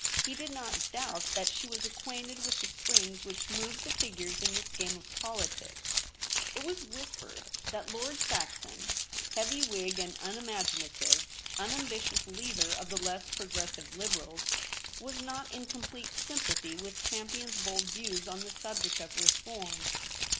He did not doubt that she was acquainted with the springs which moved the figures in this game of politics. It was whispered that Lord Saxon, heavy Whig and unimaginative, unambitious leader of the less progressive Liberals, was not in complete sympathy with Champion's bold views on the subject of reform.